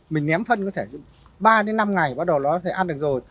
mình ném phân có thể ba năm ngày bắt đầu nó sẽ ăn được rồi